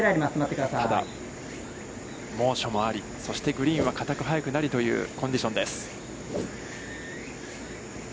ただ、猛暑もあり、そしてグリーンはかたく速くなりというコンディションです。